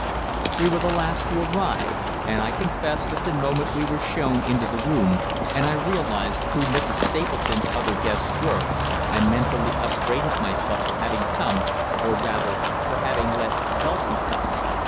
We were the last to arrive, and I confess that the moment we were shown into the room and I realized who Mrs. Stapleton's other guests were I mentally upbraided myself for having come, or rather, for having let Dulcie come.